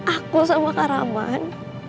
aku sama karaman